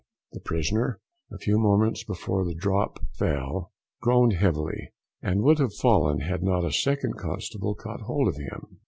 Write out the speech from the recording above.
The prisoner, a few moments before the drop fell, groaned heavily, and would have fallen, had not a second constable caught hold of him.